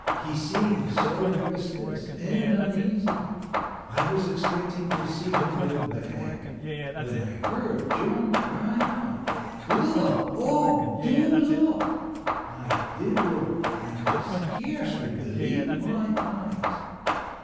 He seemed so restless and uneasy. I was expecting to see him go back, when I heard John cry out: "Look! oh, do look!" I did look, and could scarcely believe my eyes.